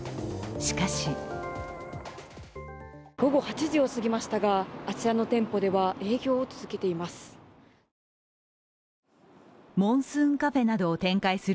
しかし午後８時を過ぎましたが、あちらの店舗では営業を続けています。